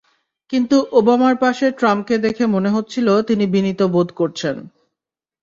কিন্তু ওবামার পাশে ট্রাম্পকে দেখে মনে হচ্ছিল তিনি বিনীত বোধ করছেন।